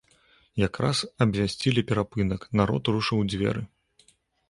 Якраз абвясцілі перапынак, народ рушыў у дзверы.